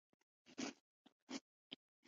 د ماراتون منډهوهونکي ورو فایبرونه لري.